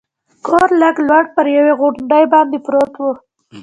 کور لږ لوړ پر یوې غونډۍ باندې پروت و.